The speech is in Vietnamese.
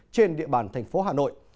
trên địa bàn thành phố hà nội